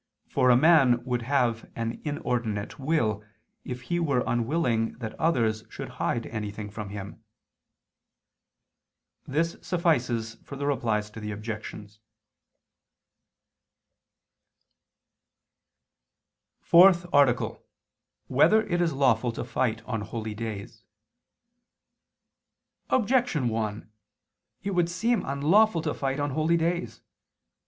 For a man would have an inordinate will if he were unwilling that others should hide anything from him. This suffices for the Replies to the Objections. _______________________ FOURTH ARTICLE [II II, Q. 40, Art. 4] Whether It Is Lawful to Fight on Holy Days? Objection 1: It would seem unlawful to fight on holy days.